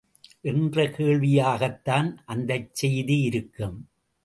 என்ற கேள்வியாகத்தான் அந்தச் செய்தியிருக்கும்!